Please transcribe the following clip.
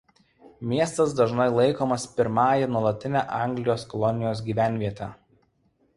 Miestas dažnai laikomas pirmąją nuolatine Anglijos kolonijos gyvenviete.